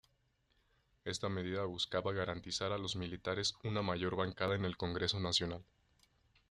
Esta medida buscaba garantizar a los militares una mayor bancada en el Congreso Nacional.